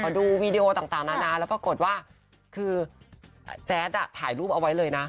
ดูวีดีโอต่างนานาแล้วปรากฏว่าคือแจ๊ดอ่ะถ่ายรูปเอาไว้เลยนะ